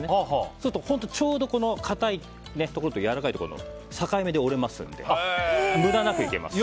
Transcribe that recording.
そうすると、本当にちょうど硬いところとやわらかいところの境目で折れますので無駄なくいけます。